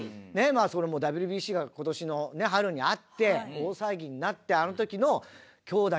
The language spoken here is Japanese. それもＷＢＣが今年の春にあって大騒ぎになってあの時の。